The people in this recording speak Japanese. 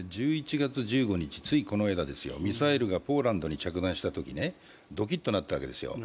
１１月１５日、ついこの間ですよミサイルがポーランドに着弾したとき、ドキッとなったわけですよ。